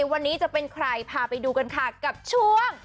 วันนี้จะเป็นใครพาไปดูกันค่ะกับช่วง